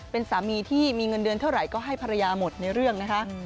เป็นสามีที่มีเงินเดือนเท่าไหร่ก็ให้ภรรยาหมดในเรื่องนะคะ